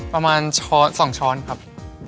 ประมาณ๒ช้อนครับ